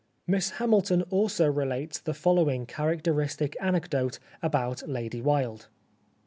" Miss Hamilton also relates the following characteristic anecdote about Lady Wilde.